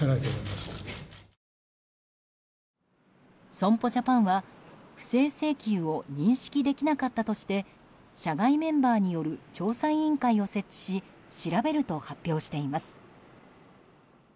損保ジャパンは、不正請求を認識できなかったとして社外メンバーによる調査委員会を設置し調べると発表しています。